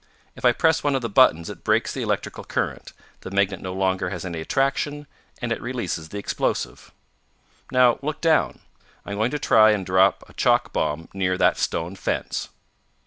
If I press one of the buttons it breaks the electrical current, the magnet no longer has any attraction, and it releases the explosive. Now look down. I am going to try and drop a chalk bomb near that stone fence."